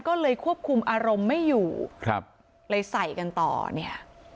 ก็เลยควบคุมอารมณ์ไม่อยู่ครับเลยใส่กันต่อเนี่ย